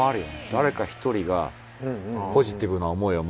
誰か１人がポジティブな思いを持っている。